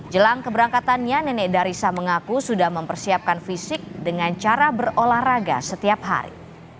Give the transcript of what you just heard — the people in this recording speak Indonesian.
jelang keberangkatannya nenek darissa mengaku sudah mempersiapkan fisik dengan cara berolahraga setiap hari